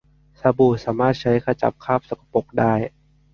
สบู่สามารถใช้ขจัดคราบสกปรกได้